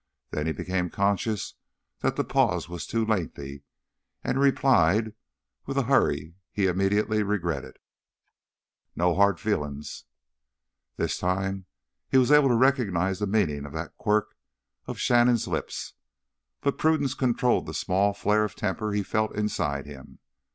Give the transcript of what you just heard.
Then he became conscious that the pause was too lengthy, and he replied with a hurry he immediately regretted: "No hard feelin's." This time he was able to recognize the meaning of that quirk of Shannon's lips. But prudence controlled the small flare of temper he felt inside him.